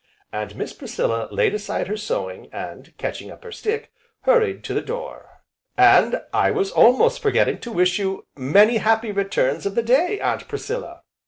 And Miss Priscilla laid aside her sewing, and catching up her stick, hurried to the door. "And I was almost forgetting to wish you 'many happy returns of the day, Aunt Priscilla!'"